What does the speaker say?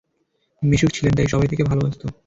মিশুক ছিলেন, তাই সবাই তাকে ভালবাসত।